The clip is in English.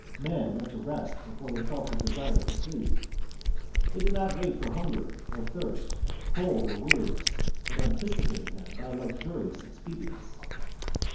Men went to rest before they felt a desire for sleep ; they did not wait for hunger or thirst, cold, or weariness, but anticipated them all by luxurious expedients.